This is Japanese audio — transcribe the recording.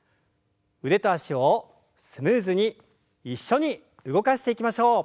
腕と脚をスムーズに一緒に動かしていきましょう。